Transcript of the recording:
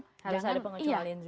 harus ada pengecualian juga